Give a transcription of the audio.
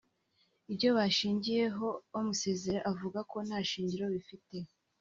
Ibyo bashingiyeho bamusezerera avuga ko nta shingiro bifite